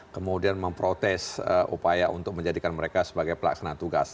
kemudian memprotes upaya untuk menjadikan mereka sebagai pelaksana tugas